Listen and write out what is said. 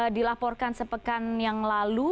dilaporkan sepekan yang lalu